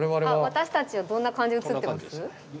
私たちはどんな感じに映ってます？